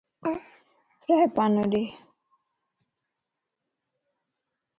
فرائي پانو ڏي